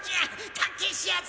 探検しようぜ！